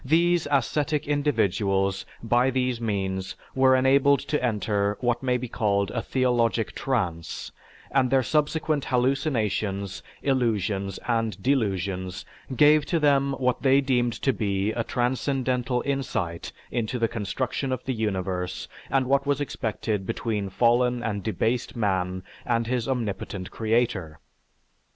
These ascetic individuals by these means were enabled to enter what may be called a "theologic trance" and their subsequent hallucinations, illusions, and delusions gave to them what they deemed to be a transcendental insight into the construction of the universe and what was expected between "fallen" and debased man and his omnipotent creator.